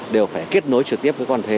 đều phải kết nối trực tiếp với cơ quan thuế